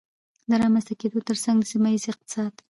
د رامنځته کېدو ترڅنګ د سيمهييز اقتصاد